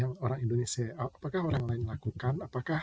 apakah orang indonesia apakah orang lain melakukan